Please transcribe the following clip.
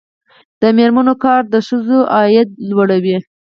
د میرمنو کار د ښځو عاید لوړوي.